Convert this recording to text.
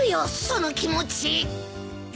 その気持ち！